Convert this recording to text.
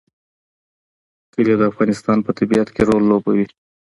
کلي د افغانستان په طبیعت کې رول لوبوي.